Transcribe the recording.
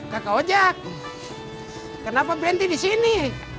kakak ojek kenapa berhenti di sini